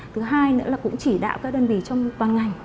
thứ hai nữa là cũng chỉ đạo các đơn vị trong toàn ngành